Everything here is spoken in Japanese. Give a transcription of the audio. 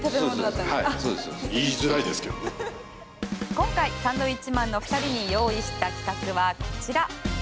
今回サンドウィッチマンの２人に用意した企画はこちら。